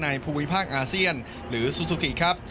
ภูมิภาคอาเซียนหรือซูซูกิครับ